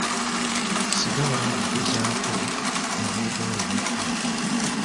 Sigala ng'ogezaako ne bwoba olemeddwa.